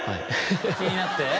気になって？